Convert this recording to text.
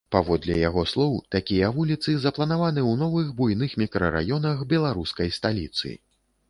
Паводле яго слоў, такія вуліцы запланаваны ў новых буйных мікрараёнах беларускай сталіцы.